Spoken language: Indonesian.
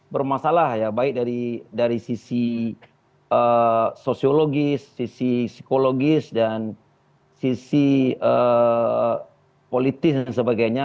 bermasalah ya baik dari sisi sosiologis sisi psikologis dan sisi politis dan sebagainya